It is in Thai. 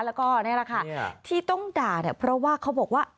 แล้วก็นี่แหละค่ะที่ต้องด่าเนี่ยเพราะว่าเขาบอกว่า